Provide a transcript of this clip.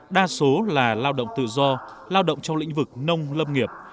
đa số là lao động tự do lao động trong lĩnh vực nông lâm nghiệp